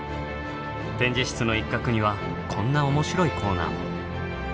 展示室の一角にはこんな面白いコーナーも。